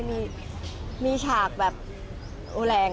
มีฉากแบบแหลง